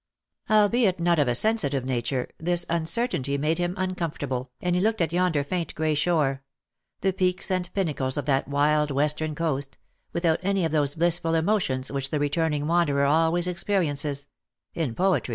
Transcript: Albeit not of a sensitive nature, this uncertainty made him uncomfortable^ and he looked at yonder faint grey shore — the peaks :and pinnacles of that wild western coast — without any of those blissful emotions w^hich the returning wanderer always experiences — in poetry.